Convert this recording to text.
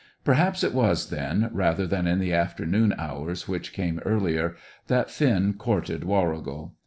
Perhaps it was then, rather than in the afternoon hours which came earlier, that Finn courted Warrigal.